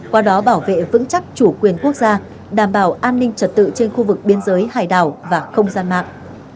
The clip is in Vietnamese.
qua đó bảo vệ vững chắc chủ quyền quốc gia đảm bảo an ninh trật tự trên khu vực biên giới hải đảo và không gian mạng